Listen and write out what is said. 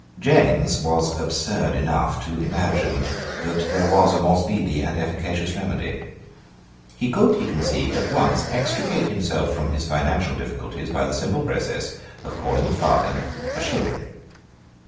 James was absurd enough to imagine that there was a more speedy and efficacious remedy. He could, he conceived, at once extricate himself from his financial difficulties by the simple process of calling a farthing a shilling.